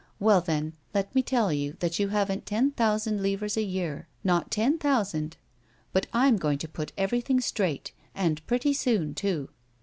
Well then, let me tell you that you haven't ten thousand livres a year ; not ten thousand. But I'm going to put everything straight, and pretty soon too."